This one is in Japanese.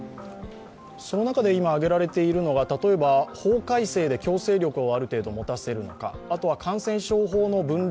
その中で挙げられているのが、例えば法改正で強制力をある程度持たせるのか、あとは感染症法の分類